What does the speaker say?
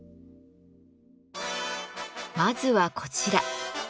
まずはこちら。